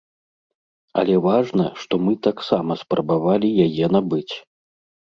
Але важна, што мы таксама спрабавалі яе набыць.